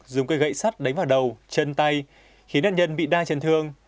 dùng cây gậy sắt đánh vào đầu chân tay khiến đàn nhân bị đai trần thương